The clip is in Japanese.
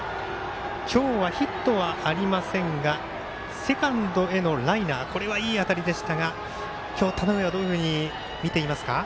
今日はヒットありませんがセカンドへのライナーいい当たりでしたが今日、田上はどういうふうに見ていますか？